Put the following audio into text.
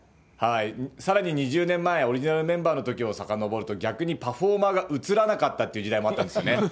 さらに２０年前、オリジナルメンバーのときをさかのぼると、逆にパフォーマーが映らなかったという時代もあったんですよね。